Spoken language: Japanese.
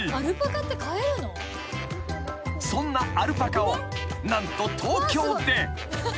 ［そんなアルパカを何と東京で］